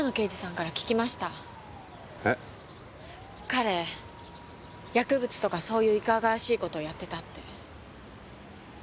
彼薬物とかそういういかがわしい事やってたって。